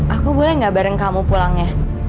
aku boleh gak bareng kamu pulangnya